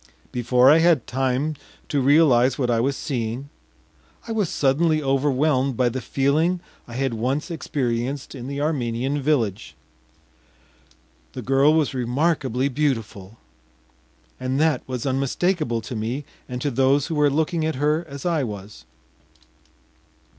Before I had time to realize what I was seeing, I was suddenly overwhelmed by the feeling I had once experienced in the Armenian village. The girl was remarkably beautiful, and that was unmistakable to me and to those who were looking at her as I was.